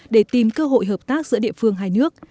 để tìm cơ hội hợp tác giữa địa phương hai nước